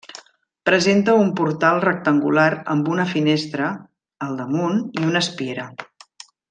Presenta un portal rectangular amb una finestra al damunt i una espiera.